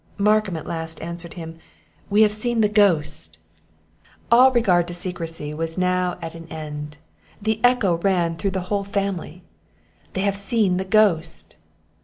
Markham, at last, answered him, "We have seen the ghost!" All regard to secrecy was now at an end; the echo ran through the whole family "They have seen the ghost!"